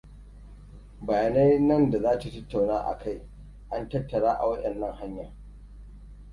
Bayanai nan da za a tattauna akai an tattara a wayannan hanyan.